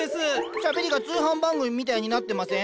しゃべりが通販番組みたいになってません？